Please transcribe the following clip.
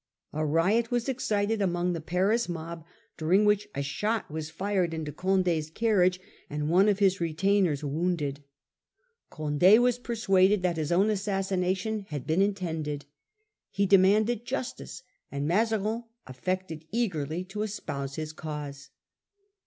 A not was Frondeurs excited among the Paris mob, during which a shot was fired into Condo's carriage, and one of his retainers wounded. Conde was persuaded that his own assassination had been intended. He demanded justice, and Mazarin affected eagerly to espouse his cause.